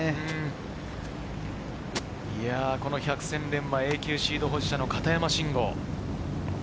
百戦錬磨、永久シード保持者の片山晋呉。